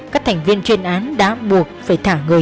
các thành viên chuyên án đã buộc phải thả người